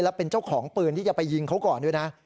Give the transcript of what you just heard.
และเป็นเจ้าของปืนที่จะไปยิงเขาก่อนด้วยนะ